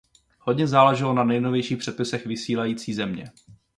Hodně záleželo na nejnovějších předpisech vysílající země.